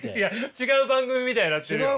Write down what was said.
違う番組みたいになってる。